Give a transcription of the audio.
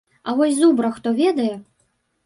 А вось зубра хто ведае?